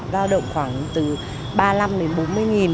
giao động khoảng từ ba mươi năm đến bốn mươi nghìn